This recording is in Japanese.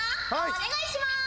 お願いします。